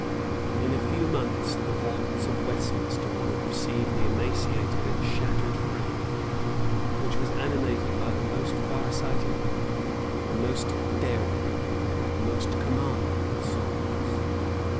In a few months the vaults of Westminster would receive the emaciated and shattered frame which was animated by the most far sighted, the most daring, the most commanding of souls.